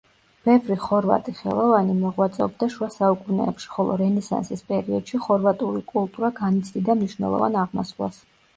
ბევრი ხორვატი ხელოვანი მოღვაწეობდა შუა საუკუნეებში, ხოლო რენესანსის პერიოდში ხორვატული კულტურა განიცდიდა მნიშნელოვან აღმასვლას.